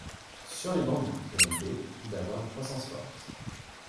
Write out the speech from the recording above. sur les bancs du groupe UMP, d’avoir une croissance forte.